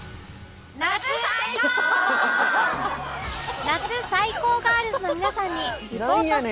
夏最高ガールズの皆さんにリポートしていただきます